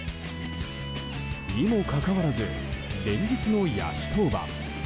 にもかかわらず連日の野手登板。